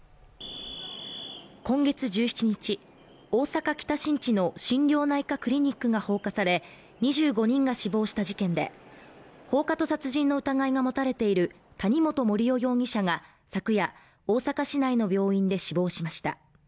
今月１７日、大阪・北新地の心療内科クリニックが放火され、２５人が死亡した事件で、放火と殺人の疑いが持たれている谷本盛雄容疑者が昨夜大阪市内の病院で死亡しました。